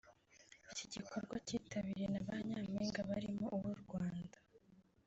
iki gikorwa cyitabiriwe na ba Nyampinga barimo uw’u Rwanda